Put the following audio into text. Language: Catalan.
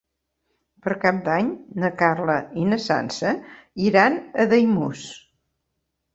Per Cap d'Any na Carla i na Sança iran a Daimús.